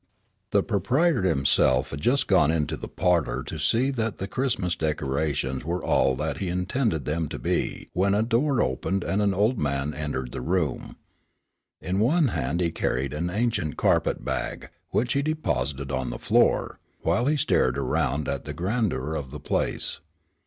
The proprietor himself had just gone into the parlor to see that the Christmas decorations were all that he intended them to be when a door opened and an old man entered the room. In one hand he carried an ancient carpetbag, which he deposited on the floor, while he stared around at the grandeur of the place.